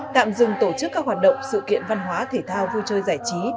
tạm dừng tổ chức các hoạt động sự kiện văn hóa thể thao vui chơi giải trí